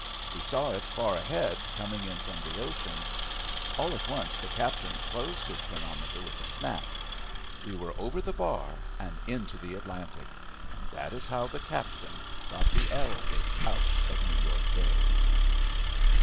We saw it far ahead coming in from the ocean. All at once the captain closed his chronometer with a snap. We were over the bar and into the Atlantic, and that is how the captain got the Arrowic out of New York Bay.